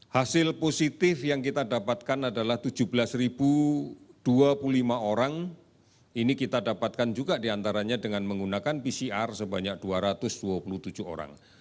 hasil positif yang kita dapatkan adalah tujuh belas dua puluh lima orang ini kita dapatkan juga diantaranya dengan menggunakan pcr sebanyak dua ratus dua puluh tujuh orang